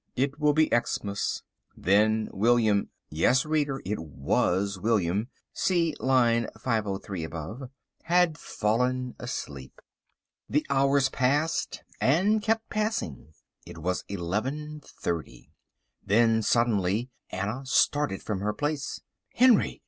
It will be Xmas." Then William—yes, reader, it was William (see line 503 above) had fallen asleep. The hours passed, and kept passing. It was 11.30. Then suddenly Anna started from her place. "Henry!"